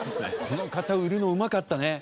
この方売るのうまかったね。